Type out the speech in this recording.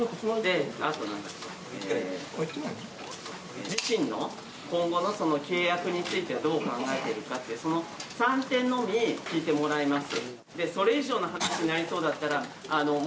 あと、自身の今後の契約についてどう考えているかというその３点のみ聞いてもらいます。